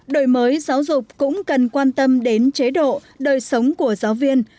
đổi mới giáo dục cũng cần quan tâm đến chế độ đời sống của giáo viên